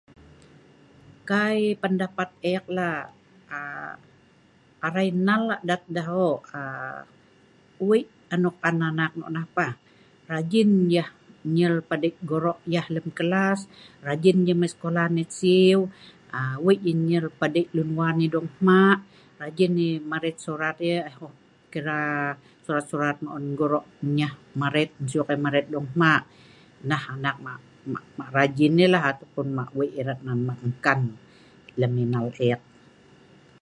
kai pendapat ek la, aa arai nal adat deh hok aa, weik nok on anak nok nah pah rajin yeh nyel padei goro yeh lem kelas, rajin yeh mei sekolah net siu aa weik yeh nyel padei lun wan yeh dong hmak, rajin yeh maret sorat yeh, kira sorat-sorat on goro nyeh maret suk yeh maret dong hma' nah anak ma ma rajin yeh la atau anak mak weik erat ma kan lem enal ek